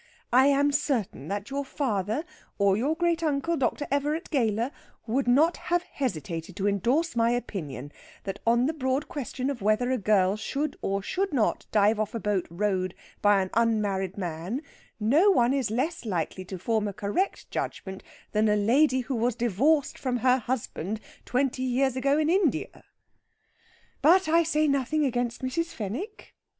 I am certain that your father, or your great uncle, Dr. Everett Gayler, would not have hesitated to endorse my opinion that on the broad question of whether a girl should or should not dive off a boat rowed by an unmarried man, no one is less likely to form a correct judgment than a lady who was divorced from her husband twenty years ago in India. But I say nothing against Mrs. Fenwick.